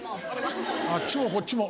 あっちもこっちも。